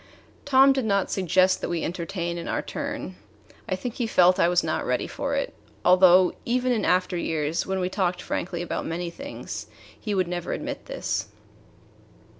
Tom did not suggest that we entertain in our turn. I think he felt I was not ready for it, although even in after years, when we talked frankly about many things, he would never admit this.